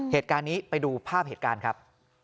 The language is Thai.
เหตุการณ์นี้ไปดูภาพเหตุการณ์ครับ